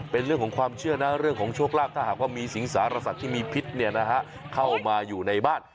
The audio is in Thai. เป็นเรื่องของความเชื่อนะเรื่องของโชคลาภถ้าหากว่ามีสิงสารสัตว์ที่มีพิษเข้ามาอยู่ในบ้าน